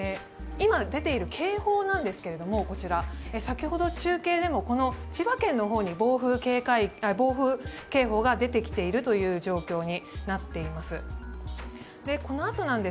今、出ている警報なんですけど先ほど、中継でも千葉県の方に暴風警報が出てきている状況になっています。